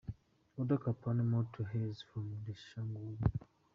Author Kopano Matlwa hails from Soshanguve.